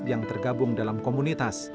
yang tergabung dalam komunitas